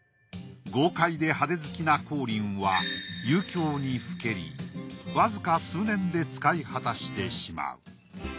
豪快で派手好きな光琳は遊興にふけりわずか数年で使い果たしてしまう。